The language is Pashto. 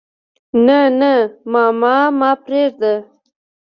نه نه ماما ما پرېده.